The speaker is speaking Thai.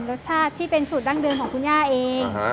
รสชาติที่เป็นสูตรดั้งเดิมของคุณย่าเอง